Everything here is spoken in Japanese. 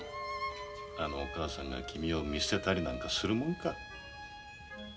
あのお母さんが君を見捨てたりなんかするもんか。